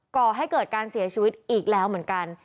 ก่อให้เกิดการเสียชีวิตอีกแล้วเหมือนกัน